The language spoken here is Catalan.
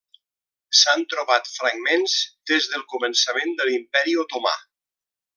S'han trobat fragments des del començament de l'Imperi otomà.